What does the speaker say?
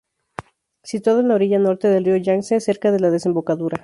Situada en la orilla norte del Río Yangtze, cerca de la desembocadura.